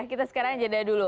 kita sekarang jadinya dulu